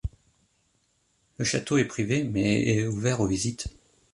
Le château est privé, mais est ouvert aux visites.